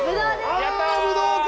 やった！